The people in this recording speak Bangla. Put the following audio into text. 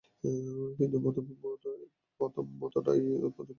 কিন্তু প্রথম মতটাই অধিক প্রসিদ্ধ।